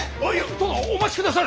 殿お待ちくだされ。